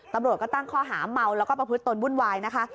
ตำรวจก็ตั้งข้อหาเมาแล้วก็ประพฤติตนวุ่นวายนะคะ